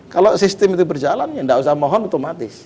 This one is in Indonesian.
kalau sistem itu berjalannya tidak usah mohon otomatis